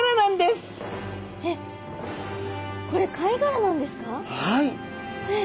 これ貝殻なんですか？